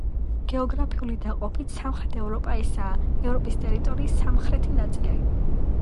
გეოგრაფიული დაყოფით, სამხრეთ ევროპა ესაა, ევროპის ტერიტორიის სამხრეთი ნაწილი.